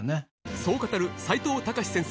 そう語る齋藤孝先生